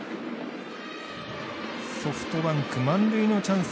ソフトバンク満塁のチャンス